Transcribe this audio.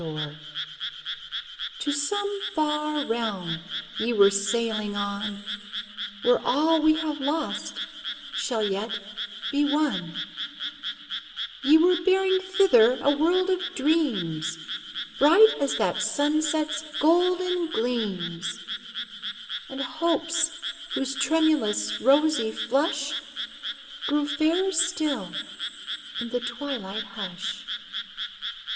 THE THREE SHIPS To some far realm ye were sailing on, Where all we have lost shall yet be won ; Ye were bearing thither a world of dreams, Bright as that sunset's golden gleams ; And hopes whose tremailous, rosy flush, Grew fairer still in the twilight hush.